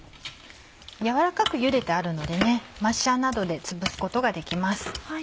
軟らかくゆでてあるのでマッシャーなどでつぶすことができます。